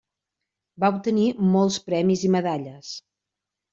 Va obtenir molts premis i medalles.